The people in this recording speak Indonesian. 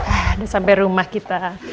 udah sampe rumah kita